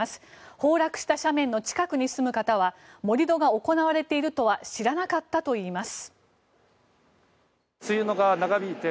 崩落した斜面の近くに住む方は盛り土が行われているとは知らなかったといいます。